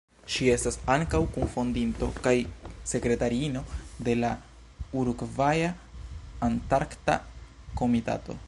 Ŝi estas ankaŭ kun-fondinto kaj sekretariino de la Urugvaja Antarkta Komitato.